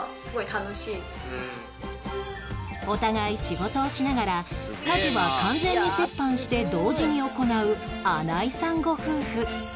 お互い仕事をしながら家事は完全に折半して同時に行う穴井さんご夫婦